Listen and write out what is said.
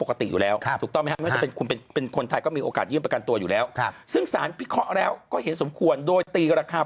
ขนาดเดียวกันทางป่ายของคุณพิเศษเฉ่ลังศาล